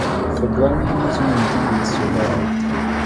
Febronianism indeed, survived.